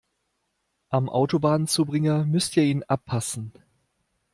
Am Autobahnzubringer müsst ihr ihn abpassen.